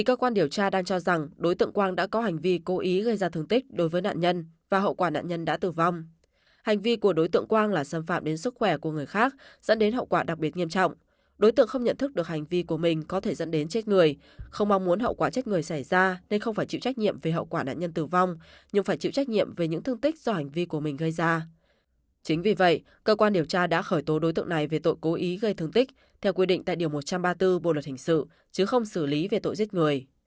cơ quan điều tra sẽ làm rõ hành vi này có phải là phòng vệ chính đáng hoặc cố ý gây thương tích theo quy định tại điều một trăm ba mươi bốn bộ luật hình sự chứ không xử lý về tội giết người